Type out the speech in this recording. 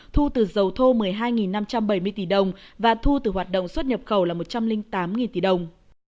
thu từ dầu thô một mươi hai năm trăm bảy mươi tỷ đồng và thu từ hoạt động xuất nhập khẩu là một trăm linh tám tỷ đồng